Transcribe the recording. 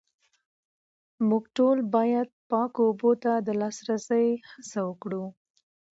موږ ټول باید پاکو اوبو ته د لاسرسي هڅه وکړو